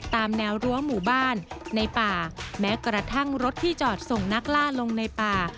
ตามแนวรั้วหมู่บ้านในป่าแม้กระทั่งรถที่จอดส่งนักล่าลงในป่า